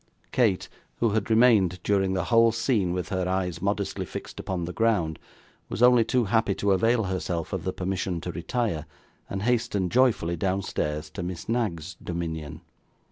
Kate, who had remained during the whole scene with her eyes modestly fixed upon the ground, was only too happy to avail herself of the permission to retire, and hasten joyfully downstairs to Miss Knag's dominion.